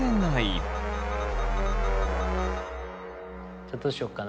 じゃあどうしよっかな。